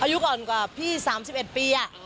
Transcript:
อายุก่อนกว่าพี่๓๑ปี